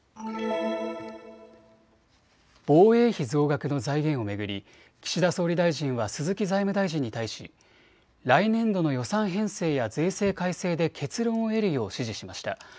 防衛費増額の財源を巡り岸田総理大臣は鈴木財務大臣に対し来年度の予算編成や税制改正で結論を得るよう指示しました。